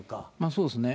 そうですね。